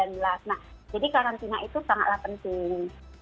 nah jadi karantina itu sangatlah penting